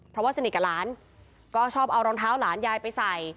เพราะว่าสนิทกับหลานก็ชอบเอารองเท้าหลานยายไปใส่